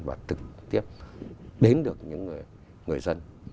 và trực tiếp đến được những người dân